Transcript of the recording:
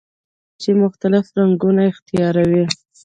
معاینه کیږي چې مختلف رنګونه اختیاروي.